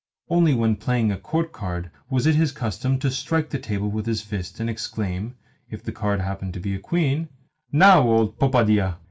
Only when playing a court card was it his custom to strike the table with his fist, and to exclaim (if the card happened to be a queen), "Now, old popadia !"